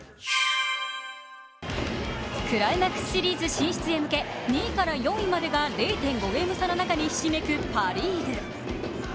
クライマックスシリーズ進出に向け２位から４位までが０．５ゲーム差の中にひしめくパ・リーグ。